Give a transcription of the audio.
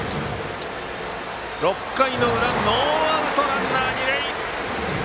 ６回の裏ノーアウト、ランナー、二塁！